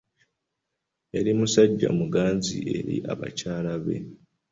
Yali musajja muganzi eri bakyala be.